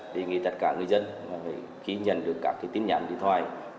đề nghị tất cả người dân khi nhận được các tin nhắn điện thoại